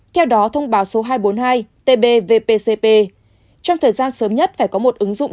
theo đó thông báo số hai trăm bốn mươi hai tb vpcp trong thời gian sớm nhất phải có một ứng dụng